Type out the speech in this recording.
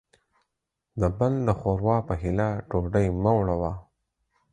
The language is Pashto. د بل د ښور وا په هيله ډوډۍ مه وړوه.